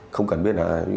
không cần biết là ai